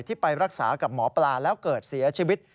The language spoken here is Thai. ไปรักษากับหมอปลาแล้วเกิดเสียชีวิต